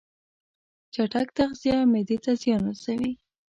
چټک تغذیه معدې ته زیان رسوي.